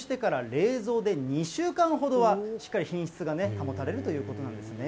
冷蔵で２週間ほどは、しっかり品質が保たれるということなんですね。